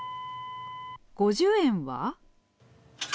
５０円は。